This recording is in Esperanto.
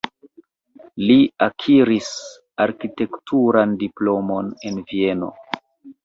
Li akiris arkitekturan diplomon en Vieno.